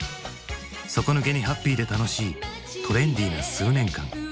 底抜けにハッピーで楽しいトレンディーな数年間。